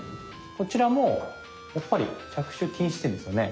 こちらもやっぱり着手禁止点ですよね。